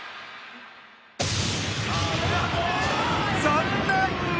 ［残念！］